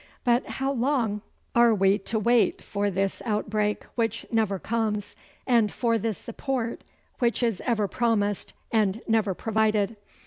'But how long are we to wait for this outbreak which never comes, and for this support which is ever promised and never provided?